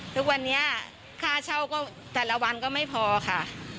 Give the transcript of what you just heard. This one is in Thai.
ทุกวันนี้ค่าเช่าก็แต่ละวันก็ไม่พอค่ะ